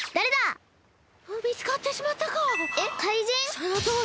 そのとおり！